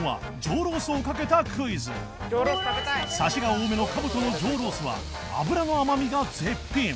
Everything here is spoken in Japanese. サシが多めの兜の上ロースは脂の甘みが絶品